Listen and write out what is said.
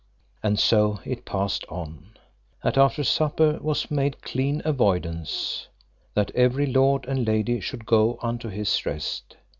And so it passed on. At after supper was made clean avoidance, that every lord and lady should go unto his rest.